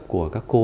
của các cô